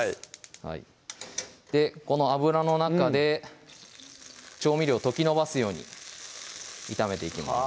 はいこの脂の中で調味料溶きのばすように炒めていきます